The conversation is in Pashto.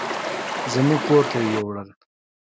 زموږ کور ته يې يوړل.